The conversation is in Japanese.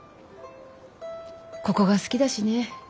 ここが好きだしね。